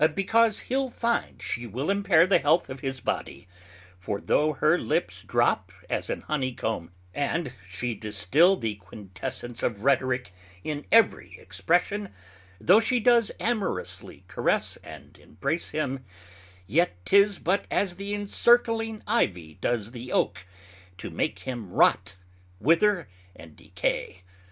Because hee'l finde she will impair the health of his body; for though her Lips drop as an Honey comb, and she distil the Quintessence of Rhetorick in every expression; though she does amorously caress and embrace him, yet 'tis but as the encircling Ivie does the Oak, to make him rot, wither, and decay.